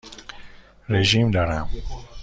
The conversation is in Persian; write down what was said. رژیم دارم.